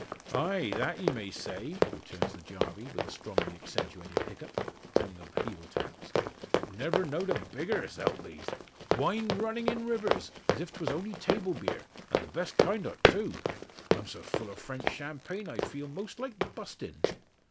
"Ah! that ye may say," returns the Jarvey, with a strongly accentuated hiccup, telling of heel taps. "Never knowed a bigger, s'help me. Wine runnin' in rivers, as if 'twas only table beer an' the best kind o't too. I'm so full o' French champagne, I feel most like burstin'."